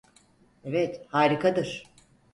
Evet, harikadır.